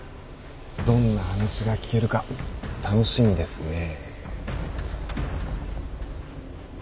どんな話が聞けるか楽しみですね。